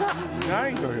ないのよ